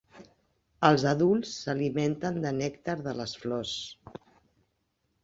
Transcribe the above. Els adults s'alimenten de nèctar de les flors.